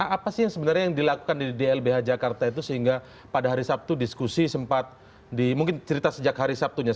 apa sih yang sebenarnya yang dilakukan di lbh jakarta itu sehingga pada hari sabtu diskusi sempat di mungkin cerita sejak hari sabtunya